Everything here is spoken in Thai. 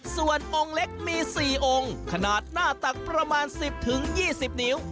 ส่วนองค์เล็กมี๔องค์ขนาดหน้าตักประมาณ๑๐๒๐นิ้ว